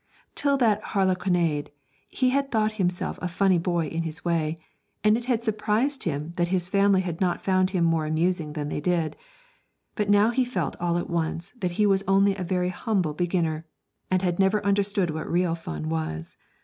Till that harlequinade, he had thought himself a funny boy in his way, and it had surprised him that his family had not found him more amusing than they did; but now he felt all at once that he was only a very humble beginner, and had never understood what real fun was.